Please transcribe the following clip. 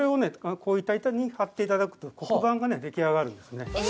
こういった板に貼っていただくと黒板がね、出来上がるんですね。